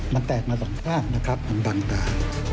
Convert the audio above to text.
มันแตกมาส่องข้างมันดังตา